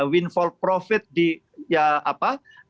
win for profit di ya apa